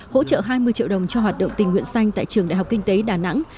hỗ trợ hai mươi triệu đồng cho hoạt động tình nguyện xanh tại trường đại học kinh tế đà nẵng